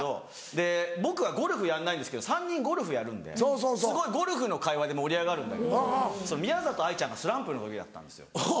で僕はゴルフやんないんですけど３人ゴルフやるんですごいゴルフの会話で盛り上がるんだけど宮里藍ちゃんがスランプの時だったんですよ。